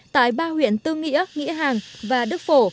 tại ba huyện tư nghĩa nghĩa hàng và đức phổ